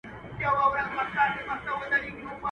غوښه او اوډه د واده خواړه دي.